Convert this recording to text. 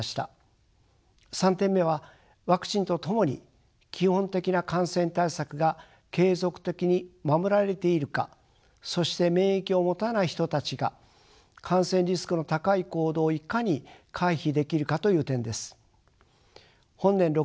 ３点目はワクチンと共に基本的な感染対策が継続的に守られているかそして免疫を持たない人たちが感染リスクの高い行動をいかに回避できるかという点です。